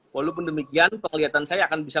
walaupun demikian penglihatan saya akan bisa